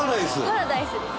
「パラダイスです」。